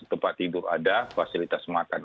tempat tidur ada fasilitas makan